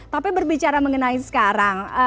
tapi berbicara mengenai sekarang